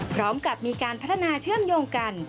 พร้อมกับมีการพัฒนาเชื่อมโยงกัน